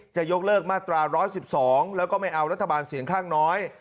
จะยกเลิกมาตรา๑๑๒แล้วก็ไม่เอารัฐบาลเสียงข้างน้อย